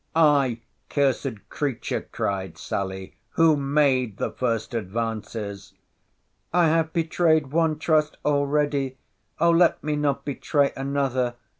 —— Ay, cursed creature, cried Sally, who made the first advances? I have betrayed one trust already!—O let me not betray another!